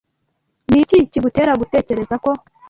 Ni iki kigutera gutekereza ko?